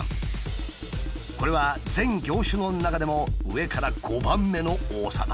これは全業種の中でも上から５番目の多さだ。